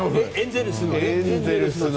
エンゼルスの。